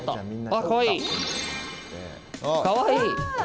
あかわいい！